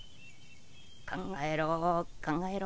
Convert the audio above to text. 考えろ考えろ。